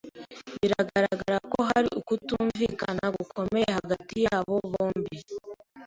Biragaragara ko hari ukutumvikana gukomeye hagati yabo bombi.